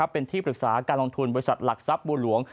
เป็นที่ปรึกษาการลงทุนบริษัทหลักทรัพย์บัวหลวง